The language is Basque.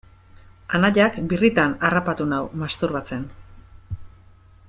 Anaiak birritan harrapatu nau masturbatzen.